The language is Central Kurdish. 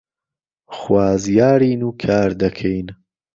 خوازیارین و کار دەکەین